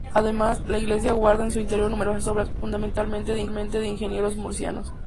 Además, la Iglesia guarda en su interior numerosas obras, fundamentalmente de imagineros murcianos.